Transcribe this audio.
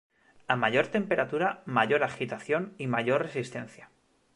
A mayor temperatura, mayor agitación, y mayor resistencia.